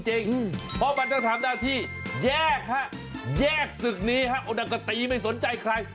เพราะมันจะทำหน้าที่แยกแยกศึกนี้อุณหกตีไม่สนใจใคร